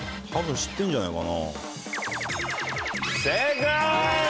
知ってるんじゃないかな。